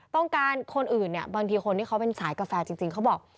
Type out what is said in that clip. ต้องการคนอื่นบางคนที่เขาเป็นสายกาแฟจริงเขาบอก